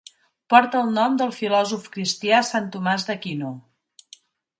Porta el nom del filòsof cristià Sant Tomàs d'Aquino.